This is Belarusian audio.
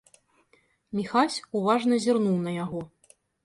Міхась уважна зірнуў на яго.